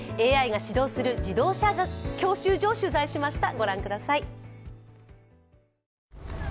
ＡＩが指導する自動車教習所を取材しました。